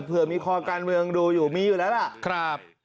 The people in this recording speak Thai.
เผื่อมีคอการเมืองดูอยู่มีอยู่แล้วล่ะ